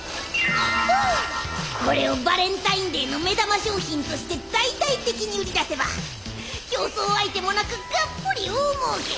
これをバレンタインデーの目玉商品として大々的に売り出せば競争相手もなくがっぽり大もうけ！